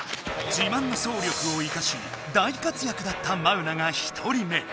自慢の走力を生かし大活躍だったマウナが１人目。